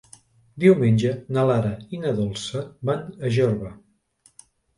Diumenge na Lara i na Dolça van a Jorba.